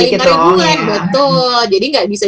ingat ribuan betul jadi gak bisa